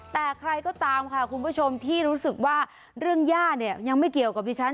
แต่ใครก็ตามค่ะคุณผู้ชมที่รู้สึกว่าเรื่องย่าเนี่ยยังไม่เกี่ยวกับดิฉัน